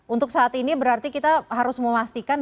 untuk saat ini berarti kita harus memastikan